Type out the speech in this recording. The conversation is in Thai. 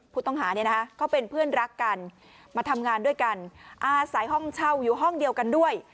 ผู้ต้องหาเนี่ยนะคะเขาเป็นเพื่อนรักกันมาทำงานด้วยกันอาศัยห้องเช่าอยู่ห้องเดียวกันด้วย